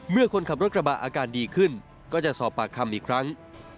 คนขับรถกระบะอาการดีขึ้นก็จะสอบปากคำอีกครั้ง